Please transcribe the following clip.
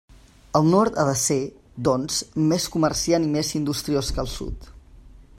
El Nord ha de ser, doncs, més comerciant i més industriós que el Sud.